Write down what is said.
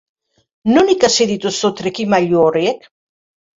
Non ikasi dituzu trikimailu horiek?